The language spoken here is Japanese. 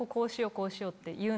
こうしようって。